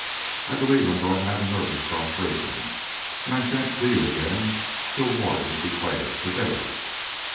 I believe I'm going to have nervous prostration and I sha'n't see you again till war is declared. So there!"